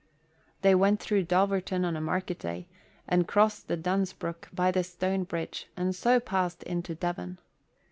They went through Dulverton on a market day, and crossed the Dunsbrook by the stone bridge and so passed into Devon.